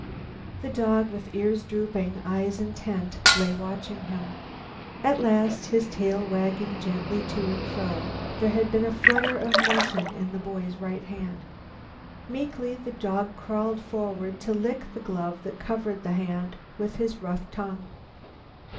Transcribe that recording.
The dog, with ears dropping, eyes intent, lay watching him. At last his tail wagged gently to and fro there had been a flutter of motion in the boy's right hand. Meekly the dog crawled forward to lick the glove that covered that hand with his rough tongue.